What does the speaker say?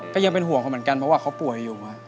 ก็ยังเป็นห่วงเขาเหมือนกันเพราะว่าเขาป่วยอยู่